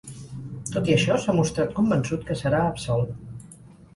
Tot i això, s’ha mostrat convençut que serà ‘absolt’.